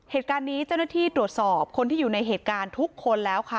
เหตุการณ์นี้เจ้าหน้าที่ตรวจสอบคนที่อยู่ในเหตุการณ์ทุกคนแล้วค่ะ